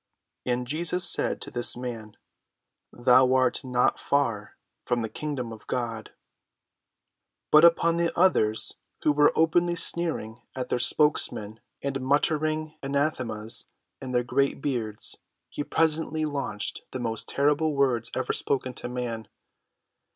And Jesus said to this man: "Thou art not far from the kingdom of God." But upon the others, who were openly sneering at their spokesman and muttering anathemas in their great beards, he presently launched the most terrible words ever spoken to man.